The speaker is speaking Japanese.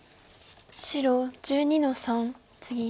白１２の三ツギ。